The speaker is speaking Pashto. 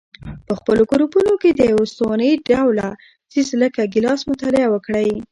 په خپلو ګروپونو کې د یوه استواني ډوله څیز لکه ګیلاس مطالعه وکړئ.